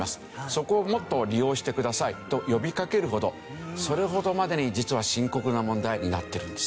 そこをもっと利用してくださいと呼びかけるほどそれほどまでに実は深刻な問題になっているんです。